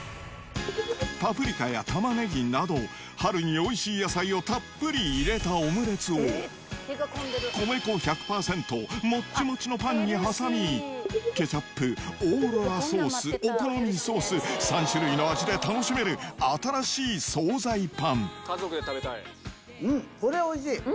パプリカやタマネギなど、春においしい野菜をたっぷり入れたオムレツを米粉１００％、もっちもちのパンに挟み、ケチャップ、オーロラソース、お好みソース、３種類の味で楽しめる、これおいしい。